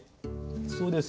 そうです。